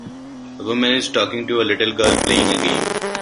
A woman is talking to a little girl playing a game.